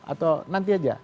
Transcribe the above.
atau nanti aja